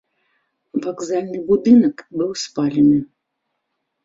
Вакзальны будынак быў спалены.